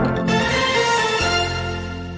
โอโหไทยแลนด์